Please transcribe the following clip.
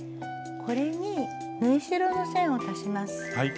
これに縫い代の線を足します。